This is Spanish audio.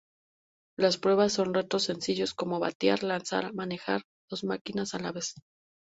Las pruebas son retos sencillos, como batear, lanzar, manejar dos máquinas a la vez...